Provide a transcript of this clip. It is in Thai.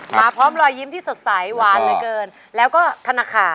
พร้อมรอยยิ้มที่สดใสหวานเหลือเกินแล้วก็ธนาคาร